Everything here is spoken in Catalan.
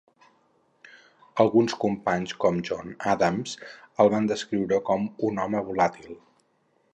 Alguns companys, com John Adams, el van descriure com un home volàtil.